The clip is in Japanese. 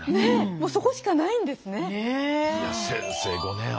もうそこしかないんですね。